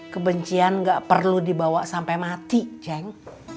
kebencian gak perlu dibawa sampai mati ceng